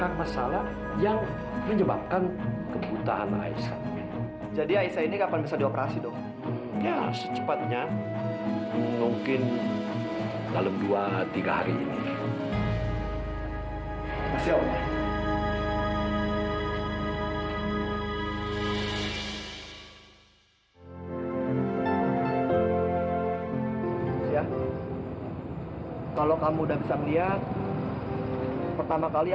aisyah kalau kamu udah bisa melihat pertama kali apa yang kamu pengen